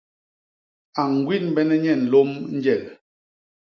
A ñgwinbene nye nlôm njel.